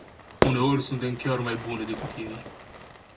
Uneori suntem chiar mai bune decât ei.